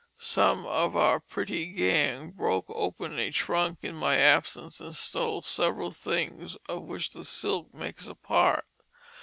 Some of our pretty Gang broke open a Trunk in my Absence and stole several Things of which the Silk makes a part.